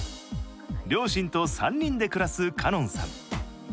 両親と３人で暮らす奏音さん。